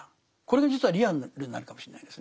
これが実はリアルになるかもしれないですね。